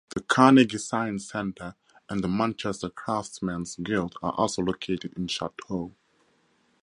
The Carnegie Science Center and the Manchester Craftsmen's Guild are also located in Chateau.